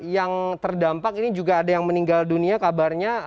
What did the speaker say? yang terdampak ini juga ada yang meninggal dunia kabarnya